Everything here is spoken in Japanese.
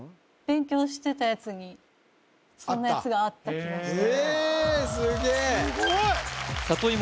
勉強してたやつにそんなやつがあった気がしてえっすげえすごい！